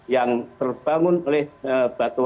yang terpenuhi kawasan yang berada di kawasan tanah lunak